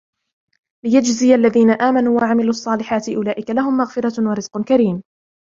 ليجزي الذين آمنوا وعملوا الصالحات أولئك لهم مغفرة ورزق كريم